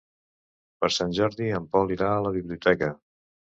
Per Sant Jordi en Pol irà a la biblioteca.